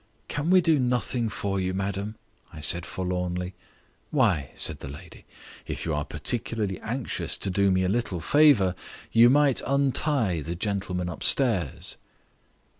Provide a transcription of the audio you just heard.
"Can we do nothing for you, madam?" I said forlornly. "Why," said the lady, "if you are particularly anxious to do me a little favour you might untie the gentlemen upstairs."